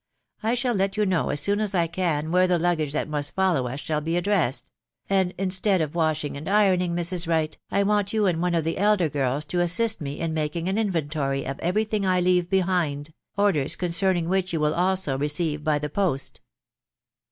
I shall let you shall k!f 8°°n aS * can wnere tne luggage that must follow us \pr: r6 a(hlressed ; and instead of washing and ironing, Mrs. »Haki *>* want you and one of the elder girls to assist me in c°Uce ^.an *nventory of every thing I leave behind .... orders \j> ?% which you will also receive by the post."